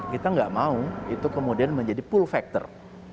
kita nggak mau itu kemudian menjadi pull factor